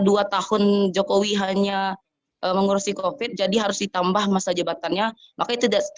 dua tahun jokowi hanya mengurusi covid jadi harus ditambah masa jabatannya maka itu